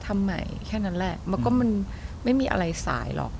ไม่งมีอะไรสายหรอก